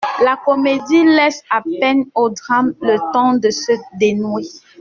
La comédie laisse à peine au drame le temps de se dénouer.